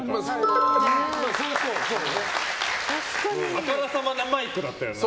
あからさまなマイクだったよな。